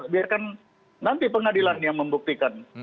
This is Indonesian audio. biarkan nanti pengadilan yang membuktikan